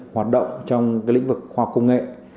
hoạt động trong lĩnh vực khoa học công nghệ